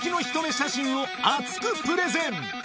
写真を熱くプレゼン！